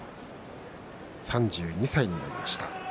３２歳になりました。